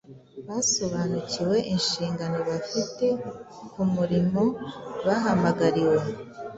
Basobanukiwe inshingano bafite ku murimo bahamagariwe.